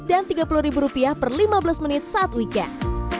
dan tiga puluh rupiah per lima belas menit saat weekend